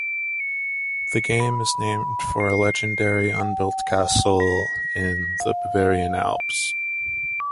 The game is named for a legendary unbuilt castle in the Bavarian Alps.